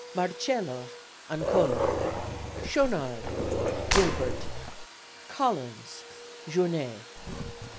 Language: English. Marcello ANCONA. Schaunard GILIBERT. Collins JOURNET.